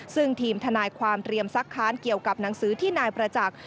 ซึ่งทีมทนายความเรียมซักค้านเกี่ยวกับหนังสือที่นายประจักษ์